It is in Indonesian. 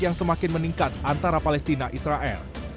yang semakin meningkat antara palestina israel